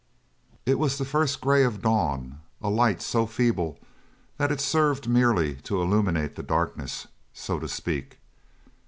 It was the first grey of dawn, a light so feeble that it served merely to illuminate the darkness, so to speak.